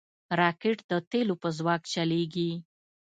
راکټ د تیلو په ځواک چلیږي